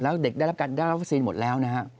แล้วเด็กได้รับการรับภาษีนหมดแล้วนะฮะ